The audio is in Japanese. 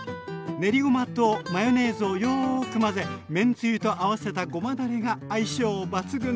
練りごまとマヨネーズをよく混ぜめんつゆと合わせたごまだれが相性抜群です！